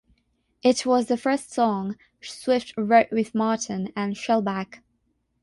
It was the first song Swift wrote with Martin and Shellback.